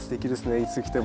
いつ来ても。